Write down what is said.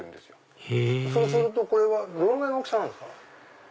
へぇそうするとこれはどのぐらいの大きさなんですか？